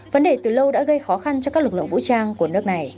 vấn đề từ lâu đã gây khó khăn cho các lực lượng vũ trang của nước này